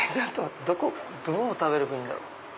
どう食べればいいんだろう？